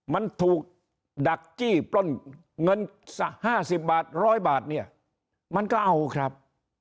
มันถูกดักจี้ปล้นเงิน๕๐บาท๑๐๐บาทเนี่ยมันก็เอาครับ